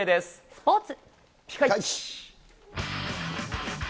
スポーツ。